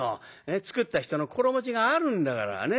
作った人の心持ちがあるんだからね。